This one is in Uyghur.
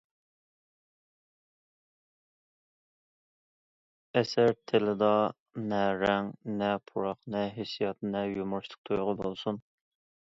ئەسەر تىلىدا نە رەڭ، نە پۇراق، نە ھېسسىيات، نە يۇمۇرىستىك تۇيغۇ بولسۇن.